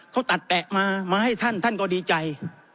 เขาตัดแปะมามาให้ท่านท่านก็ดีใจ